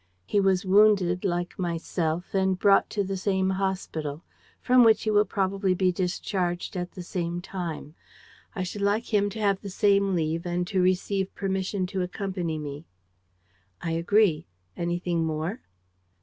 He was wounded like myself and brought to the same hospital, from which he will probably be discharged at the same time. I should like him to have the same leave and to receive permission to accompany me." "I agree. Anything more?"